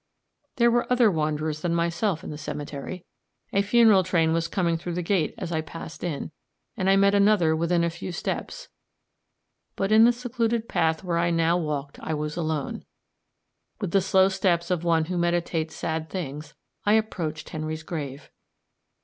There were other wanderers than myself in the cemetery; a funeral train was coming through the gate as I passed in, and I met another within a few steps; but in the secluded path where I now walked I was alone. With the slow steps of one who meditates sad things, I approached Henry's grave.